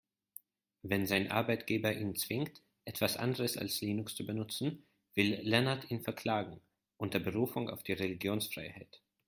Wenn sein Arbeitgeber ihn zwingt, etwas anderes als Linux zu benutzen, will Lennart ihn verklagen, unter Berufung auf die Religionsfreiheit.